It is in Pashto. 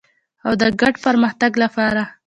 او د ګډ پرمختګ لپاره.